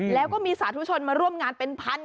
แล้วก็มีสาธุชนมาร่วมงานเป็นพัน